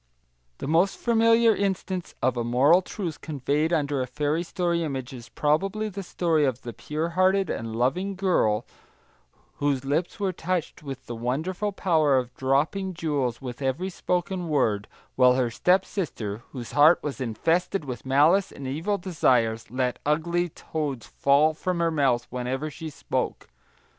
The most familiar instance of a moral truth conveyed under a fairy story image is probably the story of the pure hearted and loving girl whose lips were touched with the wonderful power of dropping jewels with every spoken word, while her stepsister, whose heart was infested with malice and evil desires, let ugly toads fall from her mouth whenever she spoke.